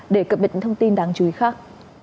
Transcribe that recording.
để cập nhật những thông tin đáng chú ý khác